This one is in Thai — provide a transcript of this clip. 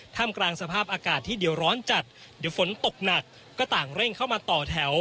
มกลางสภาพอากาศที่เดี๋ยวร้อนจัดเดี๋ยวฝนตกหนักก็ต่างเร่งเข้ามาต่อแถว